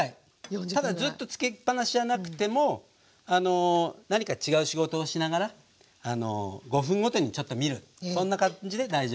ただずっと付きっ放しじゃなくても何か違う仕事をしながら５分ごとにちょっと見るそんな感じで大丈夫です。